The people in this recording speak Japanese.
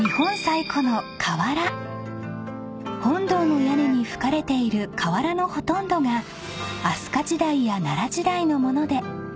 ［本堂の屋根にふかれている瓦のほとんどが飛鳥時代や奈良時代の物で今なお使われています］